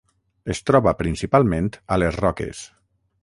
Es troba principalment a les roques.